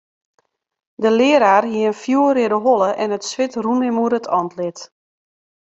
De learaar hie in fjoerreade holle en it swit rûn him oer it antlit.